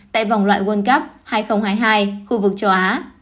tại vòng loại world cup hai nghìn hai mươi hai khu vực châu á